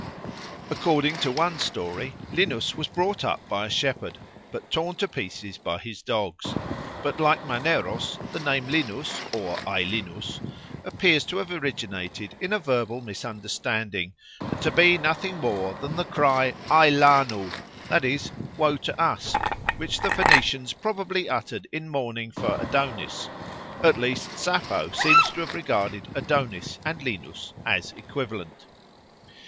According to one story Linus was brought up by a shepherd, but torn to pieces by his dogs. But, like Maneros, the name Linus or Ailinus appears to have originated in a verbal misunderstanding, and to be nothing more than the cry ai lanu, that is "Woe to us," which the Phoenicians probably uttered in mourning for Adonis; at least Sappho seems to have regarded Adonis and Linus as equivalent.